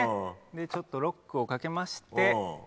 ちょっとロックをかけまして。